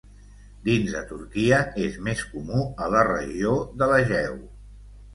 Dins de Turquia és més comú a la Regió de l'Egeu.